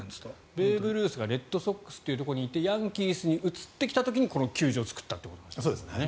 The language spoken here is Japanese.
ベーブ・ルースがレッドソックスにいてヤンキースに移ってきた時にこの球場を作ったということですよね。